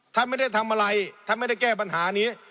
ท่านไม่ได้ทำอะไรท่านไม่ได้แก้ปัญหานี้